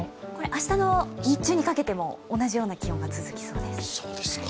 明日の日中にかけても同じような気温が続きそうです。